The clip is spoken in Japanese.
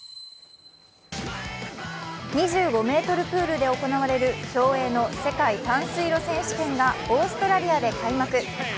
２５ｍプールで行われる競泳の世界短水路選手権がオーストラリアで開幕。